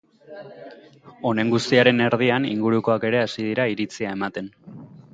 Honen guztiaren erdian, ingurukoak ere hasi dira iritzia ematen.